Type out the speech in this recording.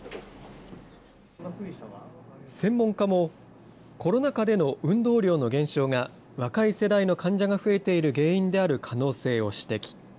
専門家も、コロナ禍での運動量の減少が、若い世代の患者が増えている原因である可能性を指摘。